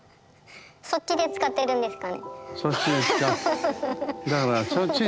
そっちで使ってるんですかね？